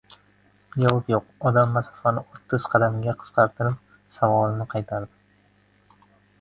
Javob yoʻq. Odam masofani oʻttiz qadamga qisqartirib, savolini qaytardi: